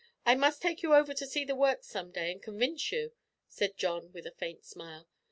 I must take you over to see the works some day and convince you," said John with a faint smile.